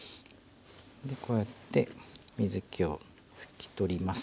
こうやって水けを拭き取ります。